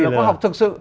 nó có học thực sự